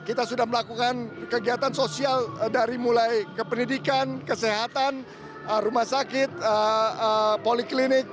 kita sudah melakukan kegiatan sosial dari mulai ke pendidikan kesehatan rumah sakit poliklinik